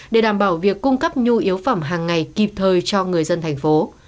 để đảm bảo việc cung cấp nhu yếu phẩm hàng ngày kịp thời cho người dân thành phố